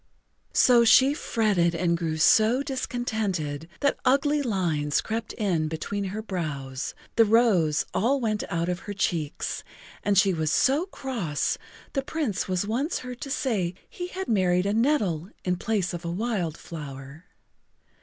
So she fretted and grew so discontented that ugly lines crept in between her brows, the rose all went out of her cheeks, and she was so cross the Prince was once heard to say he had married a nettle in place of a wild flower.